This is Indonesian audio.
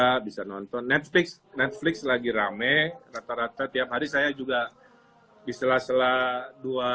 bisa nonton netflix netflix lagi rame rata rata tiap hari saya juga di sela sela dua